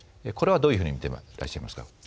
これはどういうふうに見ていらっしゃいますか？